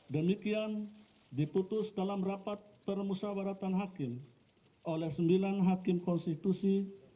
demikian diputus dalam rapat permusawaratan hakim oleh sembilan hakim konstitusi